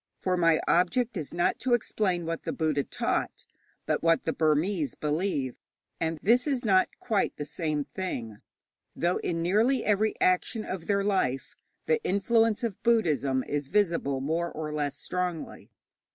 For my object is not to explain what the Buddha taught, but what the Burmese believe; and this is not quite the same thing, though in nearly every action of their life the influence of Buddhism is visible more or less strongly.